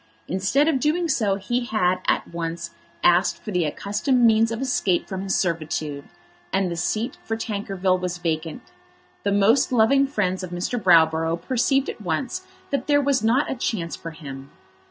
Instead of doing so he had at once asked for the accustomed means of escape from his servitude, and the seat for Tankerville was vacant. The most loving friends of Mr. Browborough perceived at once that there was not a chance for him.